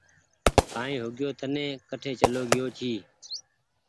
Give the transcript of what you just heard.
ڪآئي هوگئيو تني ڪٺ چلو گيو ڇي۔